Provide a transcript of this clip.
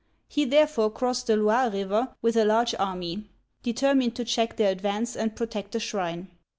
He therefore crossed the Loire River with a large army, determined to check their advance and protect the shrine.